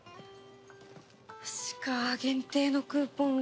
確か限定のクーポンが。